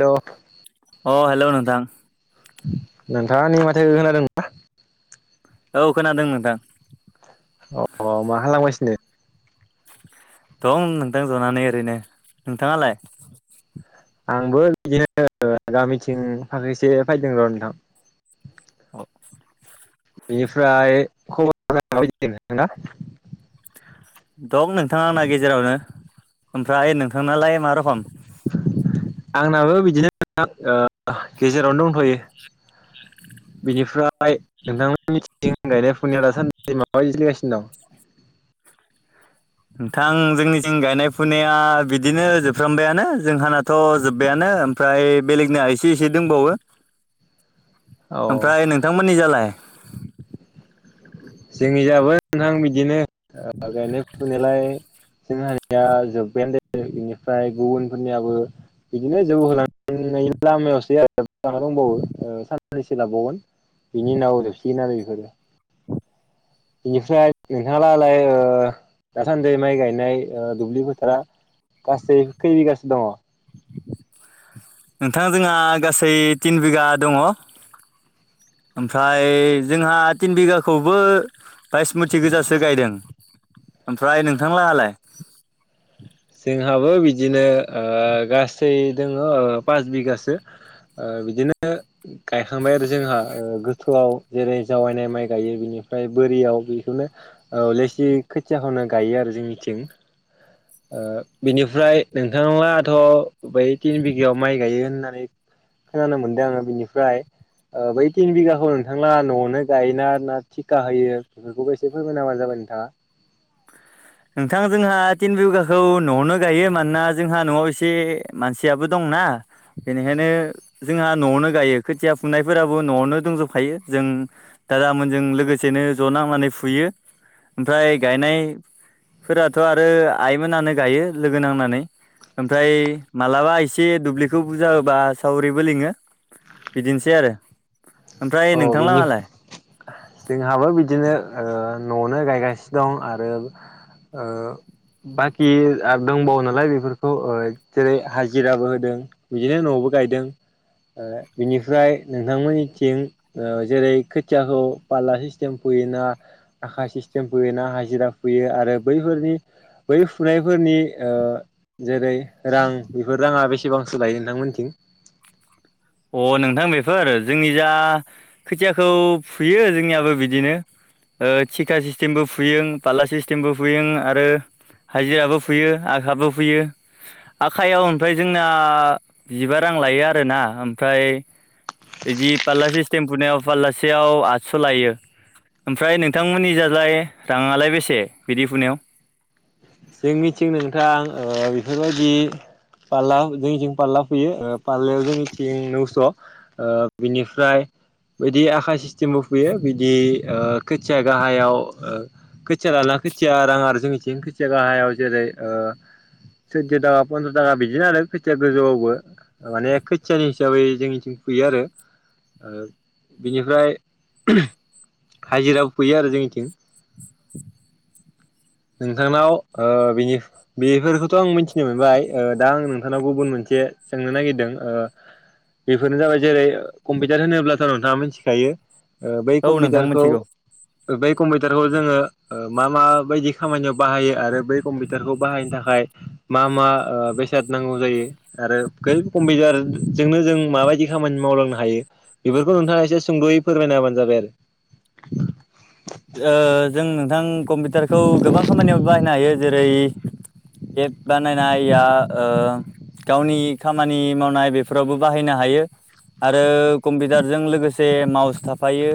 हेल' अ हेल' नोंथां नोंथाङा आंनि माथोखो खोनादों बा औ खोनादों नोंथां। अ मा खालामगासिनो। दं नोंथां जनानै ओरैनो नोंथाङालाय? आंबो बिदिनो गामिथिं फाखैसे फैदों र' नोंथां। अ बेनिफ्राय। खबरा [unintelligible] दं नोंथां आंना गेजेरावनो ओमफ्राय नोंथांनालाय मा रखम? आंनाबो बिदिनो ओ गेजेरावनो दंथ'यो। [inaudible] बेनिफ्राय नोंथांमोननि मिथि गायनाय फुनाया दासान्दि माबादि सोलिगासिनो दं? नोंथां जोंनिथिं गायनाय फुनाया बिदि बिदिनो जोबफ्रामबायानो जोंहानाथ' जोब्बायानो ओमफ्राय बेलेगनि एसे एसे दंबावो औ ओमफ्राय नोंथांमोननि जालाय जोंनि जाबोन नोंथां बिदिनो गायनाय फुनायलाय जों हारिया जोब्बायानो दे बेनिफ्राय गुबुनफोरनियाबो बिदिनो जौ होलांनायनि लामायावसै आरोजा दंबावो सानैसो लाबावगोन बिनि उनाव जोबसिगोन आरो बेफोरो बिनिफ्राय नोंथाला लाय ओ दासान्दि माइ गायनाय ओ दुब्लि बोथोरा गासै खै बिगाासो दङ? नोंथां जोंहा गासै तिन बिगा दङ। ओमफ्राय जोंहा तिन बिगाखौबो बायसमुथि गोजासो गायदों ओमफ्राय नोंथांलाहालाय? जोंहाबो बिदिनो गासै ओ दङ पास बिगासो। ओ बिदिनो गायखांबाय आरो जोंहा गोथौआव जेरै जावायनाय माइ गायो बिनिफ्राय बोरियाव बेखौनो लेसि खोथियाखौनो गायो आरो जों निथिं [inaudible] ओ बिनिफ्राय नोंथाङआाथ' बै तिन बिगायाव माइ गायो होननाय खोनानो मोनदों आङो बिनिफ्राय ओ बै तिन बिगाखौ नोंथांला न'आवनो गायोना ना थिखा होयो बेफोरखौबो एसे फोरमाय नामा जाबाय नोंथाङा। [inaudible] नोंथां जोंहा तिन बियगाखौ न'आवनो गायो मानोना जोंहा न'आव एसे मानसियाबो दङ ना। बेनिखायनो जोंहा न'आवनो गायो खोथिया फुनायफोराबो न'आवनो दंजोबखायो जों दादामोनजों लोगोसेनो ज' नांनानै फुयो ओमफ्राय गायनाय फोराथ' आरो आइमोनानो गायो लोगो नांनानै ओमफ्राय मालाबा एसे दुब्लिखौ बुरजा होबा सावरिबो लिङो बिदिनोसै आरो। ओमफ्राय औ बेनि नोंथांलाङालाय जोंहाबो बिदिनो ओ न'आवनो गायगासिनो दं आरो ओ बाखि आरो दंबावो नालाय बेफोरखौ जेरै हाजिराबो होदों बिदिनो न'बो गायदों बेनिफ्राय नोंथांमोननिथिं जेरै खोथियाखौ फाला सिस्टेम फोयोना आखा सिस्टेम फोयोना हाजिरा फुयो आरो बैफोरनि बै फुनायफोरनि ओ जेरै रां बेफोर राङा बेसेबांसो लायो नोंथांमोनथिं? [inaudible] अ नोंथां बेफोर जोंनि जा खोथियाखौ फुयो जोंनियाबो बिदिनो थिखा सिस्टेमबो फुयो फाला सिस्टेमबो फुयो आरो। हाजिराबो फैयो आखहाबो फैयो आखाइयाव ओमफ्राय जोंना जिबा रां लायो आरोना ओमफ्राय बिदि फालला सिस्टेम फुनायाव फाललासेयाव आदस' लायो। ओमफ्राय नोंथांमोननि जालाय राङालाय बेसे बिदि फुनायाव? जों मिथिं नोंथां ओ बेफोरबायदि फालला जोंनिथिं फालला फुयो फाल्लायाव जोंनि थिं नौस' बिनिफ्राय बिदि आखा सिस्टेमाव फैयो बिदि खोथिया गाहायाव खोथिया लाना खोथिया राङा आरो जोंनिथिं खोथिया गाहायाव जेरै सैद' थाखा फन्द्र' थाखा बिदिनो आरो खोथिया गोजौआवबो माने खोथियानि हिसाबै जोंनिथिं फुयो आरो ओ बिनिफ्राय हाजिराबो फुयो आरो जोंनिथिं नोंथांनावनि बेफोरखौथ' आं मिथिनो मोनबाय दा आं नोंथांनाव गुबुन मोनसे जे सोंनो नागिरदों बेफोरनो जाबाय जेरै कम्पिउटार होनोब्लाथ' नोंथाङा मिथिखायो। ओ बै औ नोंथां कम्पिउटारखौ मिथिगौ बै कम्पिउटारखौ जोङो मा मा बायदि खामानियाव बाहायो आरो बै कम्पिउटारखौ बाहायनो थाखाय मा मा बेसाद नांगौ जायो आरो बे कम्पिउटारजोंनो जों माबायदि खामानि मावलांनो हायो बेफोरखौ नोंथाङा एसे सुंद'यै फोरमायना होबानो जाबाय आरो। [inaudible] ओ जों नोंथां कम्पिउटारखौ गोबां खामानियाव बाहायनो हायो जेरै एप बानायनाय इया ओ गावनि खामानि मावनाय बेफोरावबो बाहायनो हायो। आरो कम्पिउटारजों लोगोसे माउस थाफायो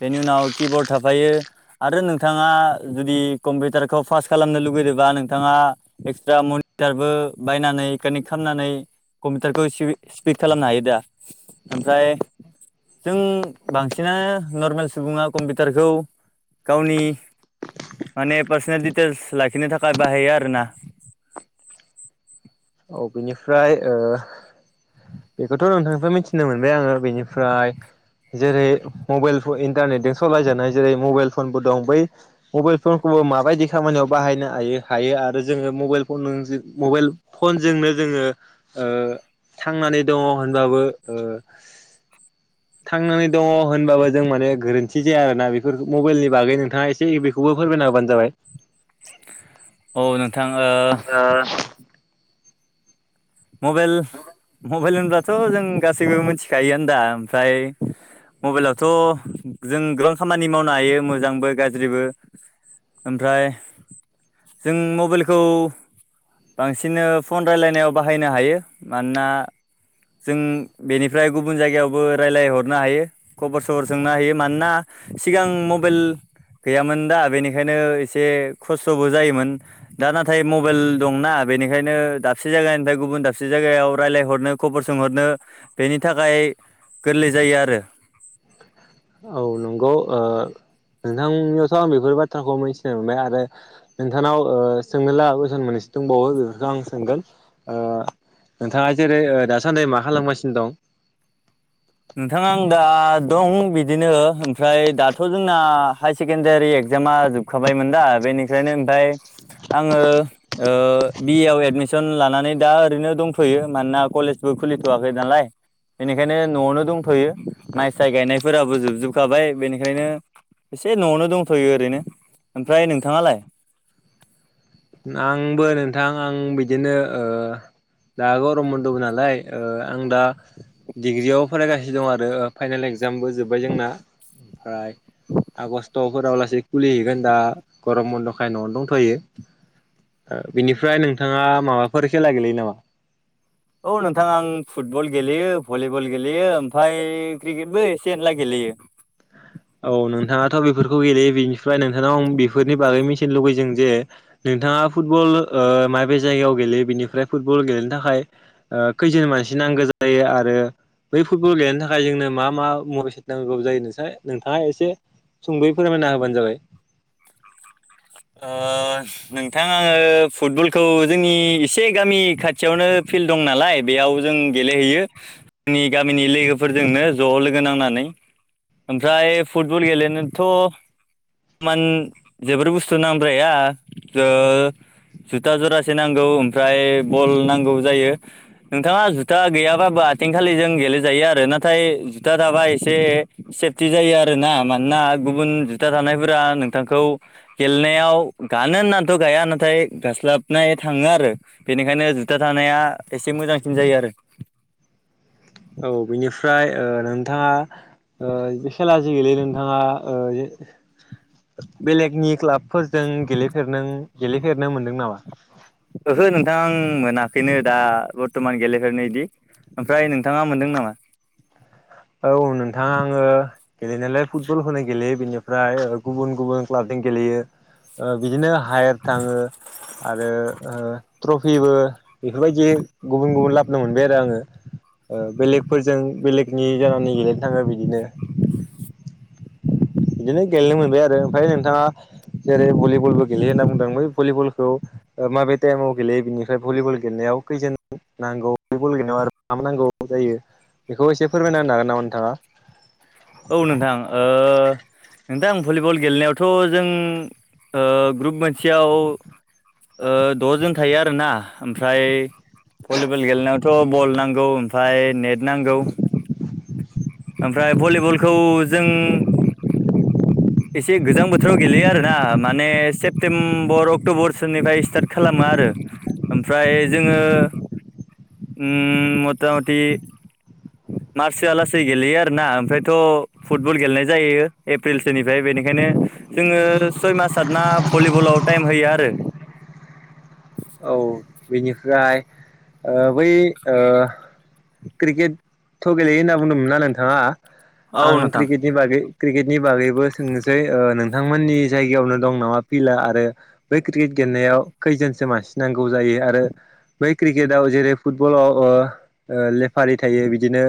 बेनि उनाव किबर्ड थाफायो आरो नोंथाङा जुदि कम्पिउटारखौ पास खालामनो लुगैदोबा नोंथाङा एक्सट्रा मनिटरबो बायनानै कानेक्ट खालामनानै कम्पिउटारखौ सि स्पिड खालामनो हायो दा ओमफ्राय जों बांसिनानो नरमेल सुबुङा कम्पि फिटारखौ गावनि माने पार्सनेल दिटेलस लाखिनिनो थाखा बाहायो आरोना। [inaudible] अ बेेनिफ्राय ओ बेखौथ' नोंथांनिफ्राय मिथिनो मोनबाय आङो बेनिफ्राय जेरै मबाइल इन्टारनेटजों सालाय जानाय जेरै मबाइल फनबो दं बै मबाइल फनखौ खौ माबायदि खामानियाव बाहायनो हायो हायो आरो जोङो मबाइल फन मबाइल फनजोंनो जोङो ओ थांनानै दङ होनबाबो [inaudible] थांनानै दङ होनबाबो जों माने गोरोन्थि जाया आरोना बेफोर मबाइलनि बागै नोंथाङा एसे बेखौबो फोरमायना होबानो जाबाय। औ नोंथां ओ मबेल मबेल होनब्लाथ' जों गासैबो मिथिखायोआनो दा ओमफ्राय मबाइलावथ' जों गोबां खामानि मावनो हायो मोजांबो गाज्रिबो ओमफ्राय [inaudible] बाहायनो हायो मानोना जों बेनिफ्राय गुबुन जायगायावबो रायलाय हरनो हायो खबर सबर सोंनो हायो मानोना सिगां मबेल गैयामोन दा बेनिखायनो एसे खस्थ'बो जायोमोन दा नाथाय मबेल दंना बेनिखायनो दाबसे जायगानि नाथाय गुबुन दाबसे जायगायाव रायलाय हरनो खबर सोंहरनो बेनि थाखाय गोरलै जायो आरो। औ नंगौ ओ नोंथांनियावथ' आं बेफोर बाथ्राखौ मिथिनाय मोनबाय आरो नोंथांनाव ओ सोंनो लागा कुइसन मोननै दंबावो बेफोरखौ आं सोंगोन ओ नोंथाङा जेरै ओ दासान्दि मा खालामगासिनो दं? नोंथाङा आं दा दं बिदिनो ओमफ्राय दाथ' जोंना हायार सेकेण्डारि एक एगजामा जोबखाबायमोन दा बेनिफ्रायनो ओमफ्राय आङो बि ए आव एडमिसन सन लानानै दा ओरैनो दंथयो मानोना कलेजबो खुलिथ'वाखै नालाय बेनिखायनो न'आवनो दंथ'यो माइ साय गायनायफोराबो जोबजोबखाबाय बेनिखायनो एसे न'आवनो दंथ'यो ओरैनो ओमफ्राय नोंथाङालाय? आंबो नोंथां आं बिदिनो ओ दा गरम बन्द'बो नालाय ओ आं दा डिग्रियाव फरायगासिनो दं आरो फाइनाल इकजामबो जोब्बाय जोंना ओमफाय आगस्ट'फोराव लासै खुलि हैैगोन दा गरम बन्द'खाय न'आवनो दंथ'यो बिनिफ्राय नोंथाङा माबाफोर खेला गेलेयो नामा? औ नोंथाङा आं फुटबल गेलेयो भलिबल गेलेयो ओमफाय क्रिकेटबो एसे एनला गेलेयो [inaudible] औ नोंथाङाथ' बेफोरखौ गेलेयो बेनिफ्राय नोंथांनाव बेफोरनि बागै मिथि लुगैदों जे नोंथाङा फुटबल ओह माबे जायगायाव गेलेयो बेनिफ्राय फुटबल गेलेनो थाखाय खैजोन मानसि नांगौ जायो आरो। बै फुटबल गेलेनो थाखाय जोंनो मा मा महसे नांगबाबौ जायो नोंसाय नोंथाङा एसे सुंद'यै फोरमायना होबानो जाबाय। नोंथां आङो फुटबलखौ जोंनि एसे गामि खाथियावनो फिल्ड दं नालाय बेयाव जों गेलेहैयो जोंनि गामिनि लोगोफोरजोंनो ज' लोगो नांनानै। ओमफ्राय फुटबल गेलेनोथ' मान जोबोर बुस्थु बुस्तु नांद्राया ओ जुथा जरासे नांगौ ओमफ्राय बल नांगौ जायो नोंथाङा जुथा गैयाबाबो आथिं खालिजों गेलेजायो आरो नाथाय जुथा थाबा एसे सेफटि जायो आरोना मानोना। गुबुन जुथा थानायफोरा नोंथांखौ गेलेनायाव गानो होननाथ' गाया नाथाय गास्लाबनाय थाङो आरो बेनिखायनो जुथा थानो नाया एसे मोजांसिन जायो आरो। औ बेनिफ्राय नोंथाङा बे खेला जे गेलेयो नोंथाङा [inaudible] बेलेगनि क्लाबफोरजों गेलेफेरदों गेलेफेरनो मोनदों नामा ओहो नोंथां आं मोनाखैनो दा बरथमान गेलेफेरनो इदि। ओमफ्राय नोंथाङा मोनदों नामा? औ नोंथां आङो गेलेनायालाय फुटबलखौनो गेलेयो बेनिफ्राय गुबुन गुबुन क्लाब। गेलेयो बिदिनो हायेर थाङो आरो ट्रफिबो बेफोरबायदि गुबुन गुबुन लाबनो मोनबाय आरो आङो। बेलेगफोरजों बेलेगनि जानानै गेलेनो थाङो बिदिनो बिदिनो गेलेनो मोनबाय आरो ओमफ्राय नोंथाङा जेरै भलिबलबो गेलेयो होनना बुंदों बै भलिबलखौ माबे टाइमाव गेलेयो बिनिफ्राय भलिबल गेलेनायाव खैजोन नांगौ बे बल गेलेनायाव आरो मा नांगौ जायो। बेखौ एसे फोरमायना होनो हागोन नामा नोंथाङा? औ नोंथां ओ नोंथां भलिबल गेलेनायावथ' जों ग्रुप ओह मोनसेयाव द जोन थायो आरोना। ओमफ्राय भलिबल गेलेनायावथ' बल नांगौ ओमफ्राय नेट नांगौ। ओमफ्राय भलिबलखौ जों एसे गोजां बोथोराव गेलेयो आरोना माने सेप्तेम्बर अक्ट'बर सोनिफ्राय स्टार्ट खालामो आरो। ओमफ्राय जोङो। उ मथामथि मारस सोआलासे गेलेयो आरोना ओमफ्रायथ' फुटबल गेलेनाय जायो एप्रिलसोनिफ्राय बेनिखायनो जोङो। सय मास सात मास भलिबलाव टाइम होयो आरो। औ बेनिफ्राय बै ओह क्रिकेट थ' गेलेयो होनना बुंदोंमोनना नोंथाङा औ आं नोंथां क्रिकेटनि बागै क्रिकेटनि बागैबो सोंनोसै नोंथांमोननि जायगायावनो दं नामा फिल्डआ आरो बै क्रिकेट गेलेनायाव खैजोनसो मानसि नांगौ जायो? आरो बै क्रिकेटआव जेरै फुटबलाव लेफारि थायो बिदिनो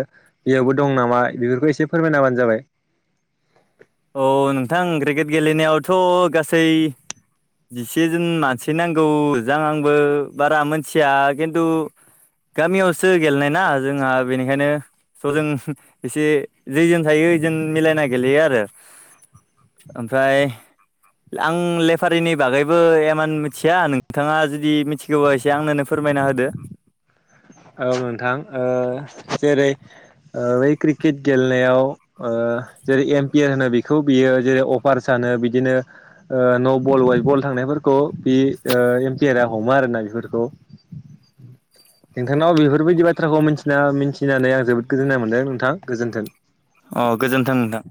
बेयावबो दं नामा बेफोरखौ एसे फोरमायनाबानो जाबाय। औ नोंथां क्रिकेट गेलेनायावथ' गासै जिसे जन मानसि नांगौ जा आंबो बारा मोनथिया खिन्थु गामियावसो गेलेनाय ना जोंहा बेनिखायनो। स' जों एसे जेजों थायो ओइजोंनो मिलायना गेलेयो आरो। ओमफ्राय आं ले फारिनि बागैबो एमान मिथिया नोंथाङा जुदि मिथिगौबा एसे आंनोनो फोरमायना होदो। [inaudible] औ नोंथां ओ जेरै ओ बै क्रिकेट गेलेनायाव ओ जेरै एम्पियार होनो बेखौ बियो जेरै अफार सान नो बिदिनो ओ न' बल अवाइट बल थांनाय खौ बि ओ इमपियारा हमो आरोना बेफोरखौ नोंथांनाव बेफोरबायदि बाथ्राखौ मिथिना मिथिनानै आं जोबोद गोजोननाय मोन्दों नोंथां गोजोन्थों। अ गोजोन्थों नोंथां